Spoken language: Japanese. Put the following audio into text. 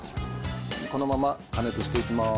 このまま加熱していきます。